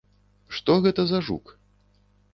Што гэта за жук?